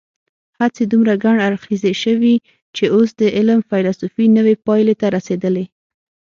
هڅې دومره ګڼ اړخیزې شوي چې اوس د علم فېلسوفي نوې پایلې ته رسېدلې.